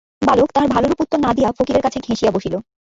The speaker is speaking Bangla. বালক তাহার ভালোরূপ উত্তর না দিয়া ফকিরের কাছে ঘেঁষিয়া বসিল।